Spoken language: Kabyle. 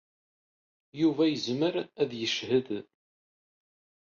Yuba yezmer ad d-yeched.